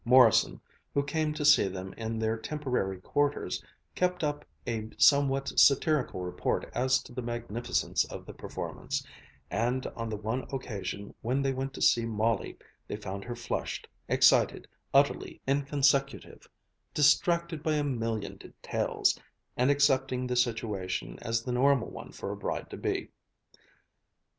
Morrison, who came to see them in their temporary quarters, kept up a somewhat satirical report as to the magnificence of the performance, and on the one occasion when they went to see Molly they found her flushed, excited, utterly inconsecutive, distracted by a million details, and accepting the situation as the normal one for a bride to be.